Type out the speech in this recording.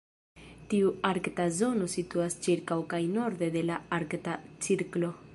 Tiu arkta zono situas ĉirkaŭ kaj norde de la Arkta Cirklo.